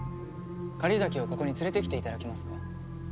狩崎をここに連れてきていただけますか？